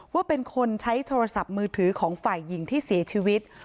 ว่าเป็นคนใช้โทรศัพท์มือถือของฝ่ายหญิงที่เสียชีวิต